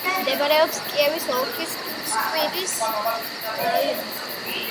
მდებარეობს კიევის ოლქის სკვირის რაიონში.